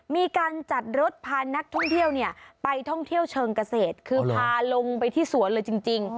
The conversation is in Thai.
มีการจัดรถพานักท่องเที่ยวเนี่ยไปท่องเที่ยวเชิงเกษตรคือพาลงไปที่สวนเลยจริง